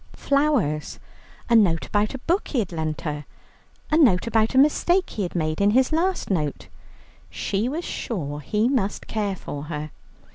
Flowers, a note about a book he had lent her, a note about a mistake he had made in his last note; she was sure he must care for her.